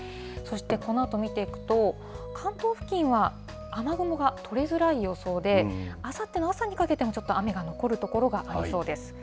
そしてこのあと見ていくと、関東付近は雨雲が取れづらい予想で、あさっての朝にかけても、ちょっと雨が残る所がありそうです。